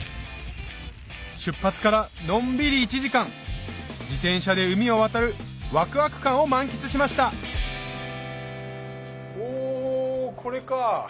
出発からのんびり１時間自転車で海を渡るわくわく感を満喫しましたおこれか！